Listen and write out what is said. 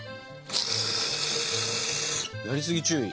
やりすぎ注意。